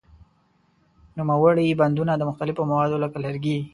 نوموړي بندونه د مختلفو موادو لکه لرګي.